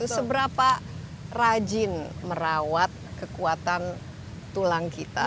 seberapa rajin merawat kekuatan tulang kita